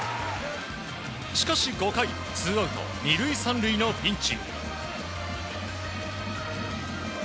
しかし５回ツーアウト２塁３塁のピンチ。